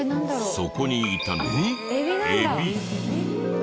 そこにいたのはエビ。